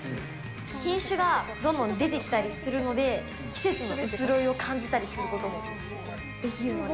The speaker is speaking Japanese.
品種がどんどん出てきたりするので、季節の移ろいを感じたりすることもできるので。